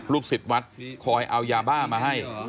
สิทธิ์วัดคอยเอายาบ้ามาให้